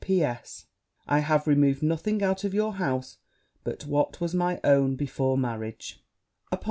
P.S. I have removed nothing out of your house but what was my own before marriage.'